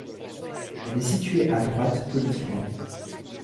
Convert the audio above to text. Elle est située à droite politiquement.